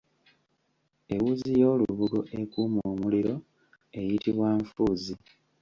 Ewuzi y’olubugo ekuuma omuliro eyitibwa Nfuuzi.